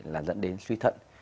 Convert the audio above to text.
là dẫn đến suy thận